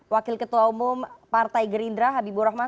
wakil ketua umum partai gerindra habibur rahman